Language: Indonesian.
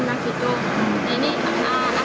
nah ini makanya masih alam